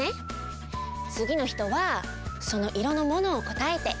つぎの人はそのいろのものをこたえて。